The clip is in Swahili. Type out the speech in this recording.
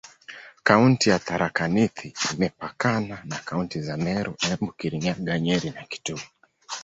Kaunti ya Tharaka Nithi imepakana na kaunti za Meru, Embu, Kirinyaga, Nyeri na Kitui.